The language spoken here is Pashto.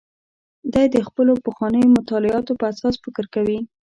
دی د خپلو پخوانیو مطالعاتو پر اساس فکر کوي.